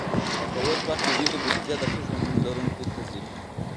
په اوس وخت کې ډېری بودیجه د ښه ژوند لرونکو ته ځي.